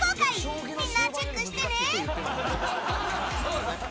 みんなチェックしてね